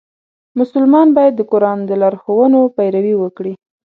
مسلمان باید د قرآن د لارښوونو پیروي وکړي.